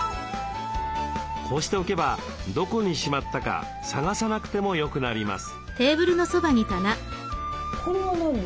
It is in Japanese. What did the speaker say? こうしておけばどこにしまったか探さなくてもよくなります。